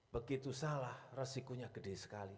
begitu salah resikonya gede sekali